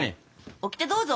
オキテどうぞ。